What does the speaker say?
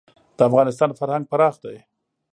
د افغانستان فرهنګ پراخ دی.